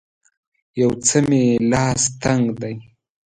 یو څه مې لاس تنګ دی